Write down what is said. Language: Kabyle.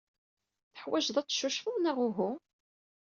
Teḥwajeḍ ad teccucfeḍ, neɣ uhu?